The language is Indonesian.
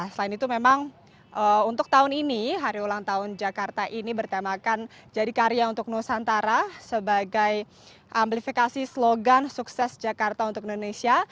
selain itu memang untuk tahun ini hari ulang tahun jakarta ini bertemakan jadi karya untuk nusantara sebagai amplifikasi slogan sukses jakarta untuk indonesia